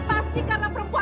aku mau ceraikan kamu